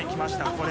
これ。